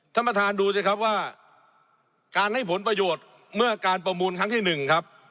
ท่านประธานดูสิครับว่าการให้ผลประโยชน์เมื่อการประมูลครั้งที่หนึ่งครับ